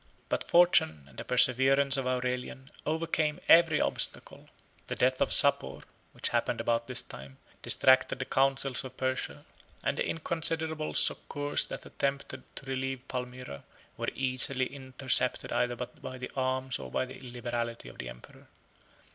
But fortune, and the perseverance of Aurelian, overcame every obstacle. The death of Sapor, which happened about this time, 71 distracted the councils of Persia, and the inconsiderable succors that attempted to relieve Palmyra were easily intercepted either by the arms or the liberality of the emperor.